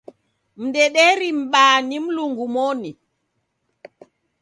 Mdederii mbaha ni Mlungu moni.